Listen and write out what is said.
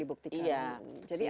dibuktikan secara fisik